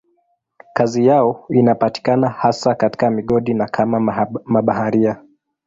Kazi yao inapatikana hasa katika migodi na kama mabaharia.